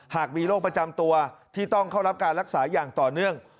หากมีโรคประจำตัวที่ต้องเข้ารับการรักษาอย่างต่อเนื่อง